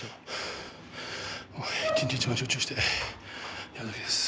一番一番集中してやるだけです。